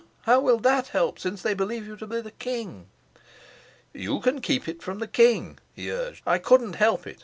How will that help, since they believe you to be the king?" "You can keep it from the king," he urged. "I couldn't help it.